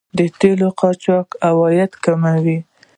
د تیلو قاچاق عواید کموي.